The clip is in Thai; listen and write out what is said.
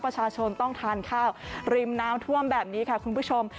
ประชาชนต้องทานข้าวริมน้ำท่วมแบบนี้ค่ะคุณผู้ชม